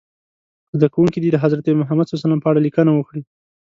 زده کوونکي دې د حضرت محمد ص په اړه لیکنه وکړي.